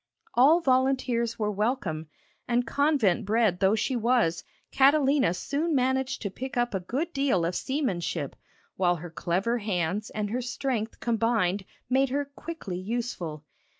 All volunteers were welcome, and convent bred though she was, Catalina soon managed to pick up a good deal of seamanship, while her clever hands and her strength combined made her quickly useful.